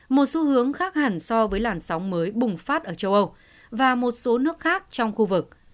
một xu hướng khác hẳn so với làn sóng mới bùng phát ở châu âu và một số nước khác trong khu vực